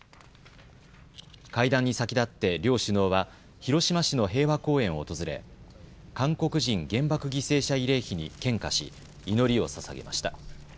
会談に先立って両首脳は広島市の平和公園を訪れ韓国人原爆犠牲者慰霊碑に献花し祈りをささげました。